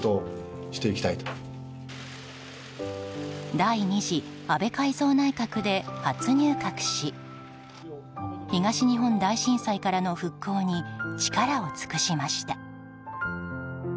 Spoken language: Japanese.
第２次安倍改造内閣で初入閣し東日本大震災からの復興に力を尽くしました。